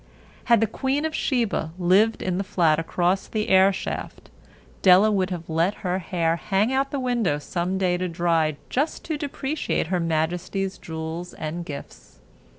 Had the queen of Sheba lived in the flat across the airshaft, Della would have let her hair hang out the window some day to dry just to depreciate Her Majesty's jewels and gifts.